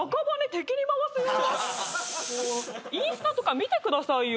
インスタとか見てくださいよ。